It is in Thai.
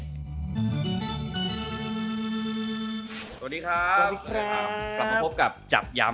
สวัสดีครับสวัสดีครับกลับมาพบกับจับย้ำ